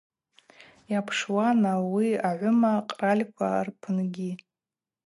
Йапшуан ауи агӏвыма къральква рпынгьи.